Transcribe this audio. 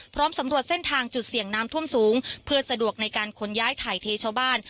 สำรวจเส้นทางจุดเสี่ยงน้ำท่วมสูงเพื่อสะดวกในการขนย้ายถ่ายเทชาวบ้าน